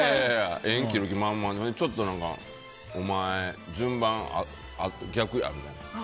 縁を切る気満々でちょっと、お前順番逆やって。